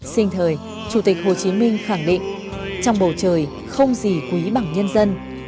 sinh thời chủ tịch hồ chí minh khẳng định trong bầu trời không gì quý bằng nhân dân